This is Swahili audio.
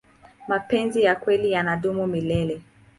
mapenzi ya kweli yanadumu milele